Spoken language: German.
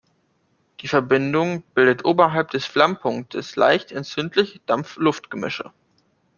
Die Verbindung bildet oberhalb des Flammpunktes leicht entzündliche Dampf-Luft-Gemische.